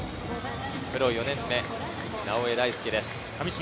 プロ４年目、直江大輔です。